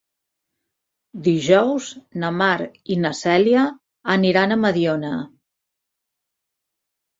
Dijous na Mar i na Cèlia aniran a Mediona.